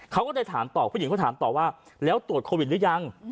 เพื่อเลยถามต่อเพื่อเรียบรู้ว่าแล้วตรวจโควิดหรือยัง